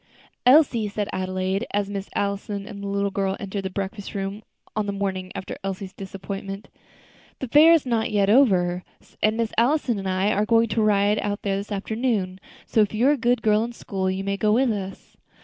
"Elsie," said Adelaide, as Miss Allison and the little girl entered the breakfast room on the morning after Elsie's disappointment, "the fair is not over yet, and Miss Allison and I are going to ride out there this afternoon; so, if you are a good girl in school, you may go with us."